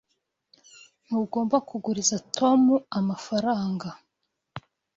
Ntugomba kuguriza Tom amafaranga.